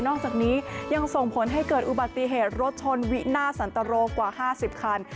นอกจากนี้ยังส่งผลให้เกิดอุบัติเหตุรถทนวินาสันตโตรกว่าห้าสิบครรภ์